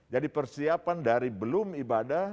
jadi persiapan dari belum ibadah